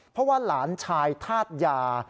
เพราะว่าหลานชายธาตุยา